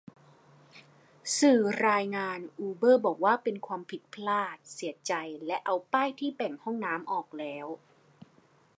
สื่อรายงาน อูเบอร์บอกว่าเป็นความผิดพลาด เสียใจ และเอาป้ายที่แบ่งห้องน้ำออกแล้ว